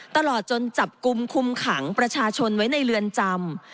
ตลอดจนจับกลุ่มคุมขังประชาชนไว้ในเรือนจำ